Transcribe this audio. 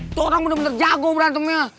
itu orang bener bener jago berantemnya